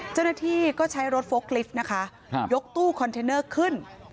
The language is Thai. เจ้าหน้าที่ก็ใช้รถโฟล์กลิฟต์นะคะยกตู้คอนเทนเนอร์ขึ้น